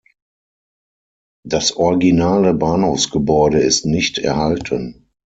Das originale Bahnhofsgebäude ist nicht erhalten.